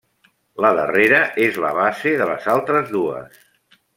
La darrera és la base de les altres dues.